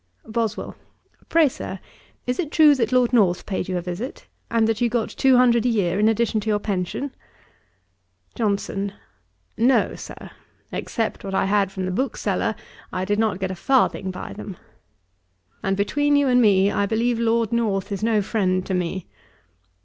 BOSWELL. 'Pray, Sir, is it true that Lord North paid you a visit, and that you got two hundred a year in addition to your pension?' JOHNSON. 'No, Sir. Except what I had from the bookseller, I did not get a farthing by them. And, between you and me, I believe Lord North is no friend to me.'